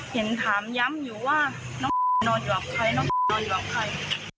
เห็นถามย้ำอยู่ว่าน้องนอนอยู่กับใครน้องนอนอยู่กับใคร